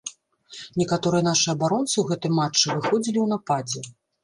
Некаторыя нашыя абаронцы ў гэтым матчы выходзілі ў нападзе.